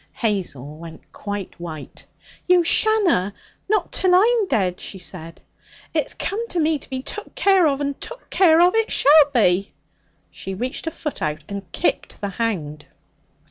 Hazel went quite white. 'You shanna! Not till I'm jead,' she said. 'It's come to me to be took care of, and took care of it shall be.' She reached a foot out and kicked the hound.